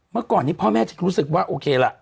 เมื่อก่อนนี้พ่อแม่จะรู้สึกว่าโอเคล่ะ